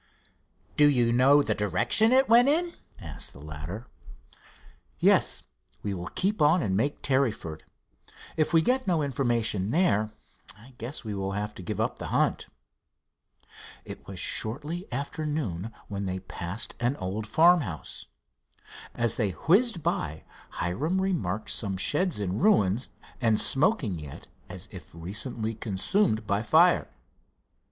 "Do you know the direction it went in?" asked the latter. "Yes. We will keep on and make Tarryford. If we get no information there, I guess we will have to give up the hunt." It was shortly after noon when they passed an old farmhouse. As they whizzed by, Hiram remarked some sheds in ruins, and smoking yet as if recently consumed by fire.